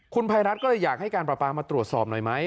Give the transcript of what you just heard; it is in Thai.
คุณไพรัทก็อยากให้การปราปรามาตรวจสอบหน่อยไหม